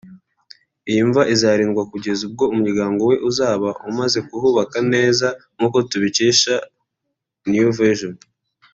Iyi mva izarindwa kugeza ubwo umuryango we uzaba umaze kuhubaka neza nkuko tubikesha The New Vision